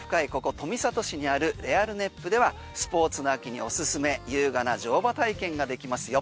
富里市にあるレアルネップではスポーツの秋におすすめ優雅な乗馬体験ができますよ。